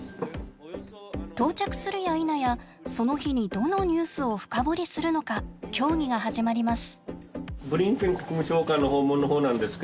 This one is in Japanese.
到着するやいなやその日にどのニュースを深掘りするのか協議が始まります。